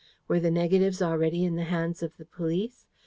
"Were the negatives already in the hands of the police?